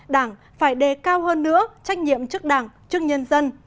đảng phải đề cao hơn nữa trách nhiệm trước đảng trước nhân dân